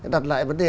đặt lại vấn đề